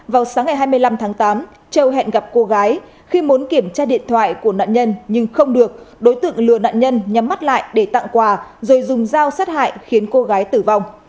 vào sáng ngày hai mươi năm tháng tám châu hẹn gặp cô gái khi muốn kiểm tra điện thoại của nạn nhân nhưng không được đối tượng lừa nạn nhân nhắm mắt lại để tặng quà rồi dùng dao sát hại khiến cô gái tử vong